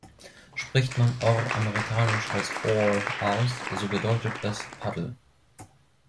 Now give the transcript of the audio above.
Spricht man Orr amerikanisch als „oar“ aus, so bedeutet es „Paddel“.